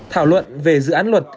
thảo luận về dự án luật